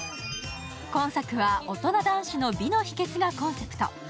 今作は「大人男子の美の秘けつ」がコンセプト。